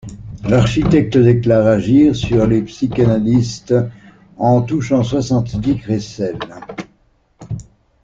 L'architecte déclare agir sur les psychanalistes en touchant soixante-dix crécelles.